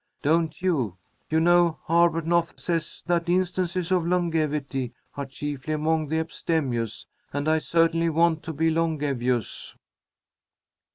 Don't you? You know Arbuthnot says that 'instances of longevity are chiefly among the abstemious,' and I certainly want to be longevous."